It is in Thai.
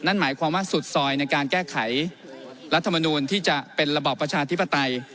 นั่นหมายความว่าสุดซอยในการแก้ไขรัฐมนูลที่จะเป็นระบอบประชาธิปไตย